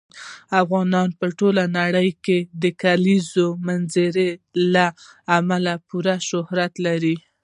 افغانستان په ټوله نړۍ کې د کلیزو منظره له امله پوره شهرت لري.